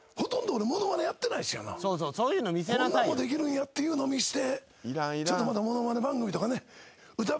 こんなんもできるんやっていうの見せて。